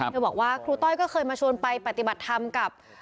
บอกว่าครูต้อยก็เคยมาชวนไปปฏิบัติธรรมกับ